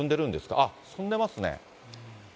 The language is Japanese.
あっ、進んでますね。